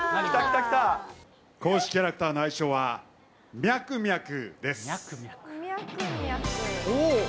公式キャラクターの愛称は、ミャクミャクです。